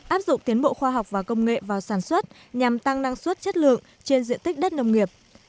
áp dụng tiến bộ khoa học và công nghệ vào sản xuất nhằm tăng năng suất chất lượng trên diện tích đất nông nghiệp